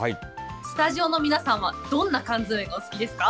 スタジオの皆さんは、どんな缶詰がお好きですか？